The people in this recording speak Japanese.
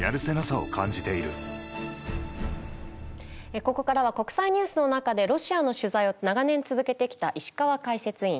ここからは国際ニュースの中でロシアの取材を長年続けてきた石川解説委員。